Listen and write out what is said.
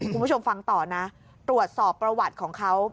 คุณผู้ชมฟังต่อนะตรวจสอบประวัติของเขา